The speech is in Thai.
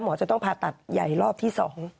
จะต้องผ่าตัดใหญ่รอบที่๒